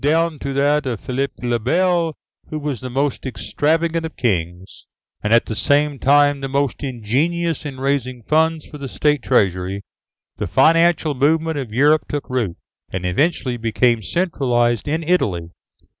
down to that of Philippe le Bel, who was the most extravagant of kings, and at the same time the most ingenious in raising funds for the State treasury, the financial movement of Europe took root, and eventually became centralised in Italy.